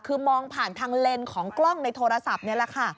คือมองผ่านทางเลนส์ของกล้องในโทรศัพท์นี่แหละค่ะ